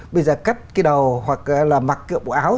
bây giờ cắt cái đầu hoặc là mặc kiểu bộ áo